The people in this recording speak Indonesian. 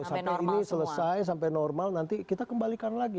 sampai ini selesai sampai normal nanti kita kembalikan lagi